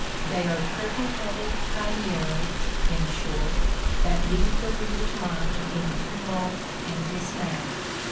They are triple headed chimeras, in short, that leave the reader's mind in tumult and dismay.